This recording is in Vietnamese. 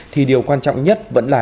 thì điều quan trọng nhất vẫn là